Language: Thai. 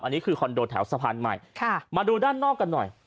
อันนี้คือคอนโดแถวสะพานใหม่ค่ะมาดูด้านนอกกันหน่อย